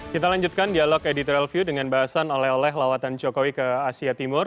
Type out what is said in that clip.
kita lanjutkan dialog editorial view dengan bahasan oleh oleh lawatan jokowi ke asia timur